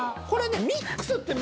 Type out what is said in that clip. これね。